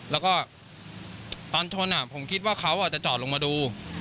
แล้วก็ตอนชนผมคิดว่าเขาจะจอดลงมาดู